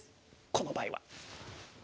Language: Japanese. この場合は。